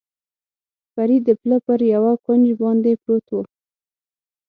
فرید د پله پر یوه کونج باندې پروت و.